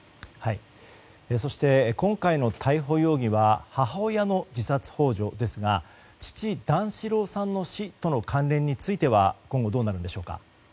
そして、今回の逮捕容疑は母親の自殺幇助ですが父・段四郎さんの死との関連については今後、どうなるんでしょうか。